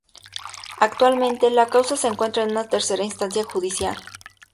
Actualmente la causa se encuentra en una tercera instancia judicial.